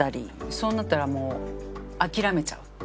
そうなったらもう諦めちゃう？